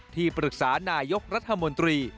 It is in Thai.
ที่ปรึกษานายกรัฐมนตรี